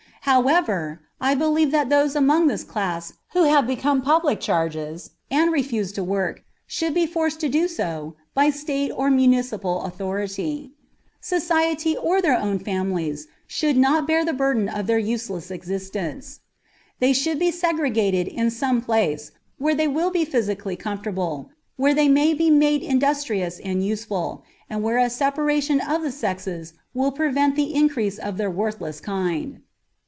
However, I believe that those among this class who have become public charges and refuse to work should be forced to do so by state or municipal authority. Society or their own families should not bear the burden of their useless existence. They should be segregated in some place where they will be physically comfortable, where they may be made industrious and useful, and where a separation of the sexes will prevent the increase of their worthless kind.